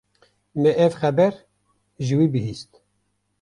Me ev xeber ji wî bihîst.